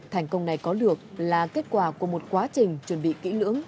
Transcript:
thành công này có được là kết quả của một quá trình chuẩn bị kỹ lưỡng